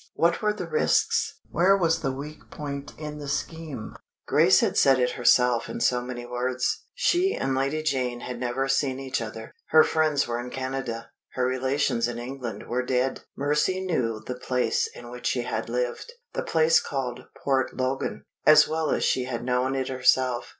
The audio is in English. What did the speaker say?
What were the risks? Where was the weak point in the scheme? Grace had said it herself in so many words she and Lady Janet had never seen each other. Her friends were in Canada; her relations in England were dead. Mercy knew the place in which she had lived the place called Port Logan as well as she had known it herself.